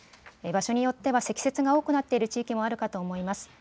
場所によっては積雪が多くなっている地域もあるかと思います。